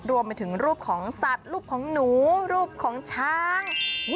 รวมไปถึงรูปของสัตว์รูปของหนูรูปของช้าง